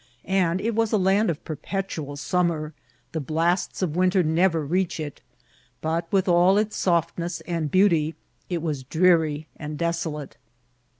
And it was a land of perpetual summer ; the blasts of winter never reach it ; but, with all its softness and beauty, it was dreary and desolate.